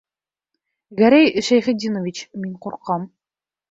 Гәрәй Шәйхетдинович, мин ҡурҡам...